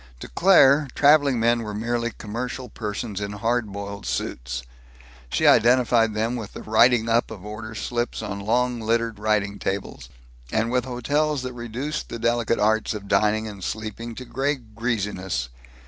To Claire, traveling men were merely commercial persons in hard boiled suits. She identified them with the writing up of order slips on long littered writing tables, and with hotels that reduced the delicate arts of dining and sleeping to gray greasiness.